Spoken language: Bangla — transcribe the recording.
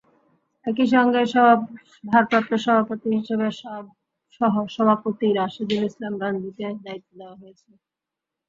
একই সঙ্গে ভারপ্রাপ্ত সভাপতি হিসেবে সহসভাপতি রাশেদুল ইসলাম রাঞ্জুকে দায়িত্ব দেওয়া হয়েছে।